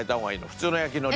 普通の焼き海苔？